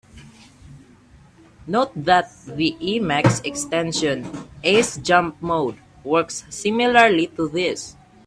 Note that the Emacs extension "Ace jump mode" works similarly to this.